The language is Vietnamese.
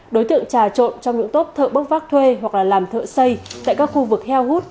đối tượng trà trộn trong những tốp thợ bốc vác thuê hoặc là làm thợ xây tại các khu vực heo hút